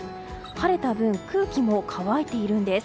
晴れた分空気も乾いているんです。